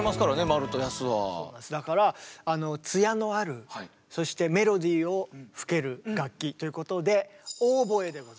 だからあの艶のあるそしてメロディーを吹ける楽器ということでへえ！